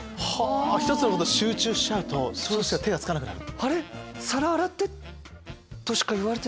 １つのことに集中しちゃうとそれしか手がつかなくなる。